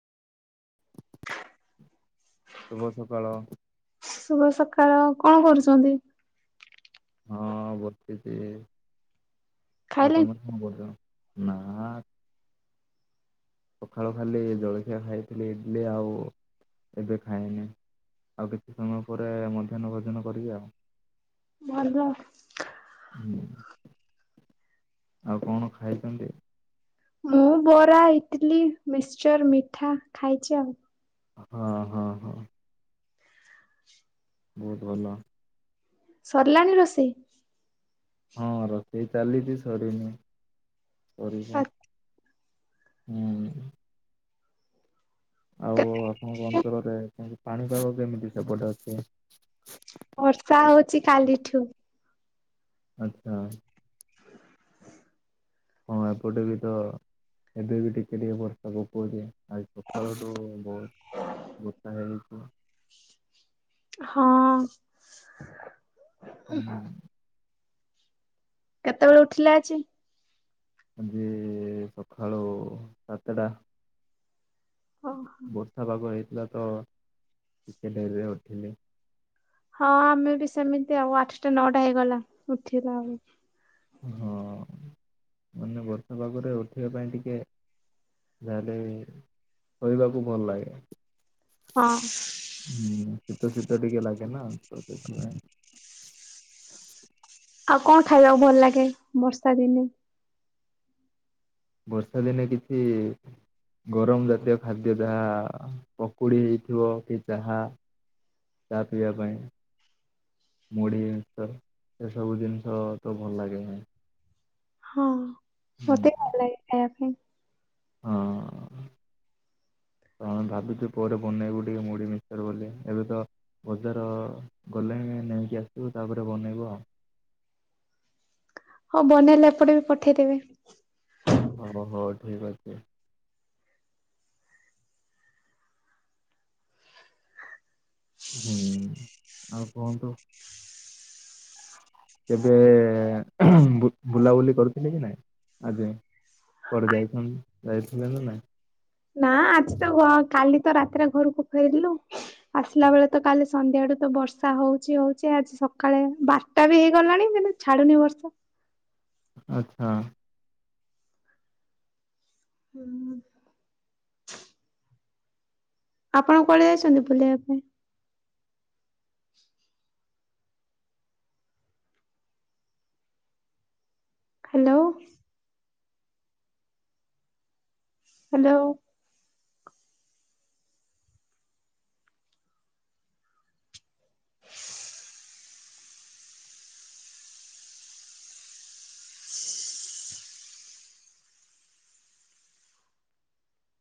ଶୁଭ ସକାଳ। ଶୁଭ ସକାଳ କଣ କରୁଚନ୍ତି? ହଁ ବସିଚି ଆଉ ଖାଇଲେ ତମେ କଣ କରୁଚ? ନା ସକାଳୁ ଖାଲି ଜଳଖିଆ ଖାଇଥିଲି ଇଡିଲି ଆଉ ଏବେ ଖାଇନି। ଆଉ କିଛି ସମୟ ପରେ ମଧ୍ୟାହ୍ନ ଭୋଜନ କରିବି ଆଉ। ଭଲ। ହୁଁ ଆଉ କଣ ଖାଇଛନ୍ତି? ମୁଁ ବରା, ଇଟଲି, ମିକ୍ସଚ, ମିଠା ଖାଇଛି ଆଉ। ହଁ ହଁ ହଁ। ବହୁତ ଭଲ। ସରିଲାଣି ରୋଷେଇ? ହଁ ରୋଷେଇ ଚାଲିଚି ସରିନି ଆ ସରିବ। ହୁଁ। ଆଉ ଆପଣଙ୍କ ଅଞ୍ଚଳରେ ପାଣିପାଗ କେମିତି ସେପଟେ ଅଛି? ବର୍ଷା ହଉଚି କାଲିଠୁ। ଆଚ୍ଛା। [inaudible] ହଁ ଏପଟେ ବି ତ, ଏବେ ବି ଟିକେ ଟିକେ ବର୍ଷା ପକଉଚି। ଆଜି ସକାଳଠୁ ବହୁତ୍ ବର୍ଷା ହେଇଚି। ହଁ। ହୁଁ। କେତେବେଳେ ଉଠିଲେ ଆଜି? ଆଜି ସକାଳୁ ସାତଟା। ହଁ ବର୍ଷା ପାଗ ହେଇଥିଲା ତ ଟିକେ ଡେରିରେ ଉଠିଲି। ହଁ ଆମେ ବି ସେମିତି ଆଉ ଆଠଟା ନଅଟା ହେଇଗଲା ଉଠିବା ଆଉ। ହଁ। ମାନେ ବର୍ଷା ପାଗରେ ଉଠିବା ପାଇଁ ଟିକେ ଯାହାହେଲେ ଶୋଇବାକୁ ଭଲ ଲାଗେ। ହଁ। ହୁଁ ଶୀତ ଶୀତ ଟିକେ ଲାଗେ ନା ତ ସେଥିପାଇଁ। ଆଉ କଣ ଖାଇବାକୁ ଭଲ ଲାଗେ ବର୍ଷା ଦିନେ? ବର୍ଷା ଦିନେ କିଛି ଗରମ ଜାତୀୟ ଖାଦ୍ୟ ଯାହା, ପକୁଡି ହେଇଥିବ କି ଚାହା। ଚା ପିଇବା ପାଇଁ। ମୁଢି ମିକ୍ସଚର ଏସବୁ ଜିନିଷ ତ ଭଲ ଲାଗେ ହିଁ। ହଁ ମତେ ଭଲ ଲାଗେ ଖାଇବା ପାଇଁ। ହଁ। [inaudible] ତ ଆମେ ଭାବିଚୁ ପରେ ବନେଇବୁ ଟିକେ ମୁଢ଼ି ମିକ୍ସଚର ବୋଲି। ଏବେ ତ ବଜାର ଗଲେଣି ନେଇକି ଆସିବୁ ତାପରେ ବନେଇବୁ ଆଉ। ହଁ ବନେଇଲେ ଏପଟେ ବି ପଠେଇଦେବେ। ହଁ ହଉ ଠିକ୍ ଅଛି। ହୁଁ, ଆଉ କୁହନ୍ତୁ। କେବେ ବୁଲାବୁଲି କରୁଥିଲେ କି ନାଇଁ ଆଜି? କୁଆଡେ ଯାଇଛନ୍ତି ଯାଇଥିଲେ ନା ନାଇଁ? ନା ଆଜି ତ କାଲି ତ ରାତିରେ ଘରକୁ ଫେରିଲୁ। ଆସିଲା ବେଳେ ତ କାଲି ସନ୍ଧ୍ୟା ଠୁ ତ ବର୍ଷା ହଉଚି ହଉଚି ଆଜି ସକାଳେ ବାରଟା ବି ହେଇଗଲାଣି କିନ୍ତୁ ଛାଡୁନି ବର୍ଷା। ଆଚ୍ଛା। ହୁଁ। ଆପଣ କୁଆଡେ ଯାଇଛନ୍ତି ବୁଲିବା କୁ? ହ୍ୟାଲୋ। ହ୍ୟାଲୋ।